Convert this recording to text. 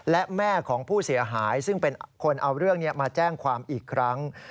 และแม่ของผู้เสียหายซึ่งเป็นคนเอาเรื่องนี้มาแจ้งความอีกครั้ง